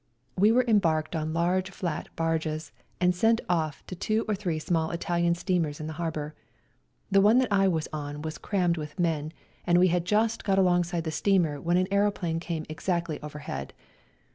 We were embarked on large flat barges, and sent off to two or three small Italian steamers in the harbour. The one that I was on was crammed with men, and we had just got alongside the steamer when an aeroplane came exactly overhead.